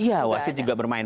iya wasit juga bermain